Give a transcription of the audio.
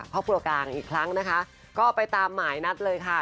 ครอบครัวกลางอีกครั้งนะคะก็ไปตามหมายนัดเลยค่ะ